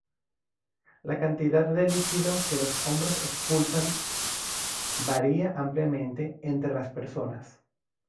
La cantidad de líquido que los hombres expulsan varía ampliamente entre las personas.